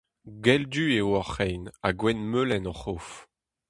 Gell-du eo hor c'hein ha gwenn-melen hor c'hof.